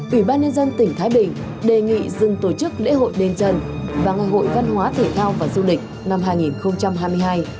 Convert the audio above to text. ủy ban nhân dân tỉnh thái bình đề nghị dừng tổ chức lễ hội đền trần và ngày hội văn hóa thể thao và du lịch năm hai nghìn hai mươi hai